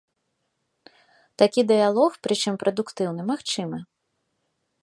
Такі дыялог, прычым прадуктыўны, магчымы.